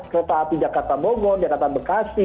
kereta api jakarta bogor jakarta bekasi